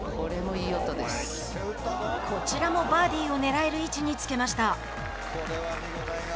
こちらもバーディーをねらえる位置につけました。